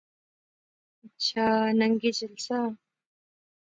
ہنچھا ننگی چلساں